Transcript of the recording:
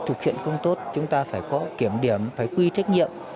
thực hiện không tốt chúng ta phải có kiểm điểm phải quy trách nhiệm